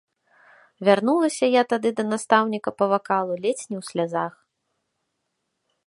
Вярнулася я тады да настаўніка па вакалу ледзь не ў слязах.